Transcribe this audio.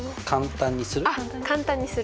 簡単にする？